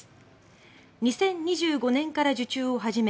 ２０２５年から受注を始め